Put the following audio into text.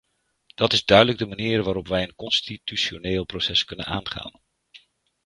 Dat is duidelijk de manier waarop wij een constitutioneel proces kunnen aangaan.